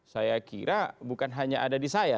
saya kira bukan hanya ada di saya